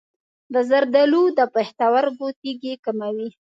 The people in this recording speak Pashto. زردآلو د پښتورګو تیږې کموي.